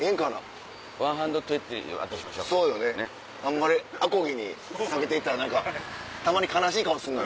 そうよねあんまりあこぎに下げて行ったら何かたまに悲しい顔すんのよ。